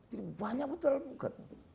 jadi banyak betul alpukat